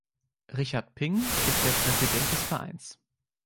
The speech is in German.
Richard Ping ist der Präsident des Vereins.